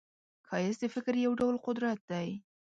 ښایست د فکر یو ډول قدرت دی